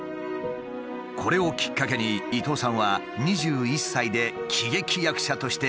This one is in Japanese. これをきっかけに伊東さんは２１歳で喜劇役者としてデビュー。